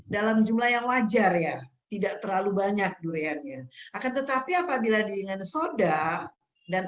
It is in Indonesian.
dalam jumlah yang wajar ya tidak terlalu banyak duriannya akan tetapi apabila dengan soda dan